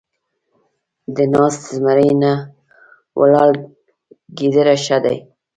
د ناست زمري نه ، ولاړ ګيدړ ښه دی.